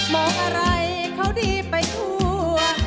บอกอะไรเขาดีไปทุกว่า